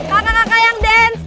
kakak kakak yang dance